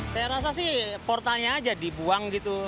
saya rasa sih portalnya aja dibuang gitu